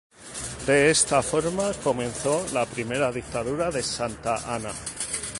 De esta forma comenzó la primera dictadura de Santa Anna.